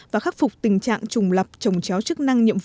và khắc phục tình trạng trùng lập trồng chéo chức năng nhiệm vụ